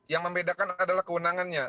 yang membedakan adalah kewenangannya